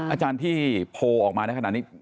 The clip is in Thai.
อาจารย์ที่โพลออกมาในขณะนี้